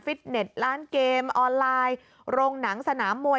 เน็ตร้านเกมออนไลน์โรงหนังสนามมวย